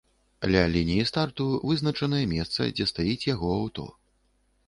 Ля лініі старту вызначанае месца, дзе стаіць яго аўто.